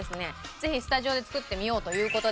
ぜひスタジオで作ってみようという事で。